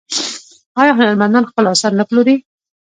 آیا هنرمندان خپل اثار نه پلوري؟